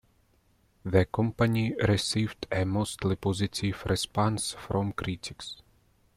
"The Company" received a mostly positive response from critics.